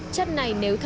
chất này nếu thật ra